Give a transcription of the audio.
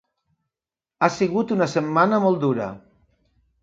Ha sigut una setmana molt dura.